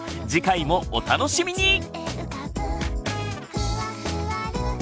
次回もお楽しみに！